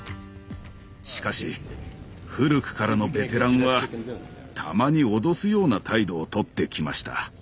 しかし古くからのベテランはたまに脅すような態度をとってきました。